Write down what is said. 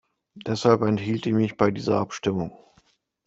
Deshalb enthielt ich mich bei dieser Abstimmung.